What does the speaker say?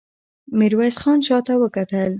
ميرويس خان شاته وکتل.